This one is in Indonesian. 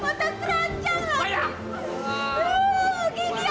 mata keranjang lah